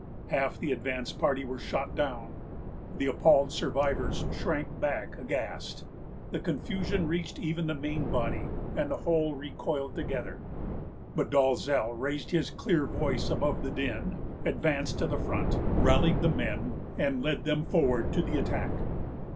Half the advanced party were shot down; the appalled survivors shrank back aghast. The confusion reached even the main body, and the whole recoiled together; but Dalzell raised his clear voice above the din, advanced to the front, rallied the men, and led them forward to the attack.